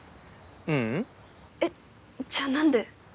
ううん。えっじゃあ何で？